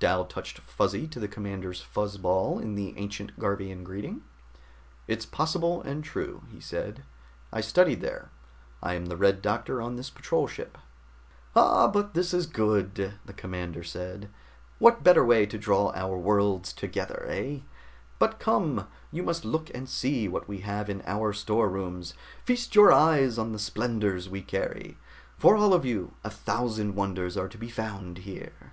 Dal touched Fuzzy to the commander's fuzz ball in the ancient Garvian greeting. "It's possible, and true," he said. "I studied there. I am the Red Doctor on this patrol ship." "Ah, but this is good," the commander said. "What better way to draw our worlds together, eh? But come, you must look and see what we have in our storerooms, feast your eyes on the splendors we carry. For all of you, a thousand wonders are to be found here."